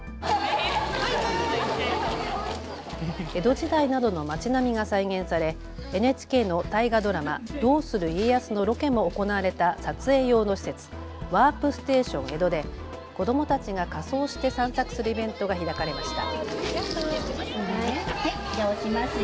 江戸時代などの町並みが再現されＮＨＫの大河ドラマ、どうする家康のロケも行われた撮影用の施設、ワープステーション江戸で子どもたちが仮装して散策するイベントが開かれました。